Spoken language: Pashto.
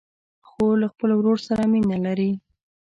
خور له خپل ورور سره مینه لري.